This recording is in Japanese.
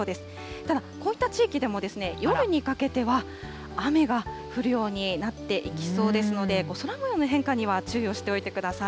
ただ、こういった地域でも夜にかけては、雨が降るようになっていきそうですので、空もようの変化には注意をしておいてください。